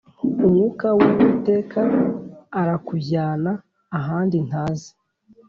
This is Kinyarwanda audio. umwuka w’Uwiteka arakujyana ahandi ntazi